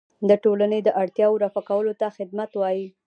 د ټولنې د اړتیاوو رفع کولو ته خدمت وایي.